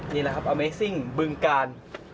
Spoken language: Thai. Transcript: นี่แหละครับอเมซิ่งบึงกาล